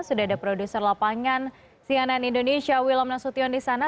sudah ada produser lapangan cnn indonesia wilam nasution di sana